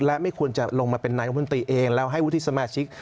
และไม่ควรจะลงมาเป็นนายกมนตรีเองแล้วให้วุฒิสมาชิก